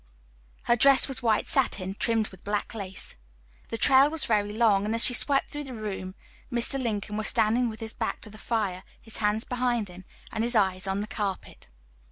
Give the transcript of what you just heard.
Her dress was white satin, trimmed with black lace. The trail was very long, and as she swept through the room, Mr. Lincoln was standing with his back to the fire, his hands behind him, and his eyes on the carpet.